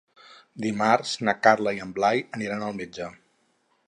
Dimarts na Carla i en Blai aniran al metge.